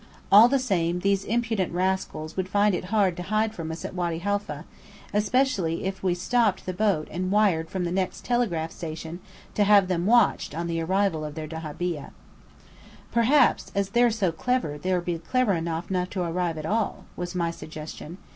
All the same, these impudent rascals would find it hard to hide from us at Wady Haifa, especially if we stopped the boat and wired from the next telegraph station to have them watched on the arrival of their dahabeah. "Perhaps, as they're so clever they'll be clever enough not to arrive at all," was my suggestion.